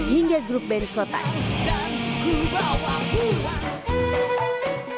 hingga grup berikotan